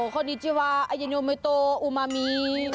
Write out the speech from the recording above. คอดีจิวาเอียโนมี่โตอุโมมี่